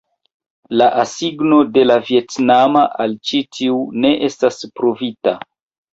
La asigno de la vjetnama al ĉi tiu ne estas pruvita.